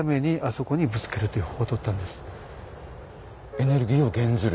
エネルギーを減ずる。